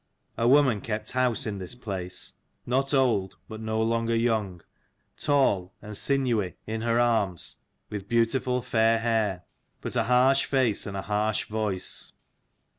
A woman kept house in this place, not old, but no longer young; tall, and sinewy in her arms, with beautiful fair hair : but a harsh face, and a harsh voice.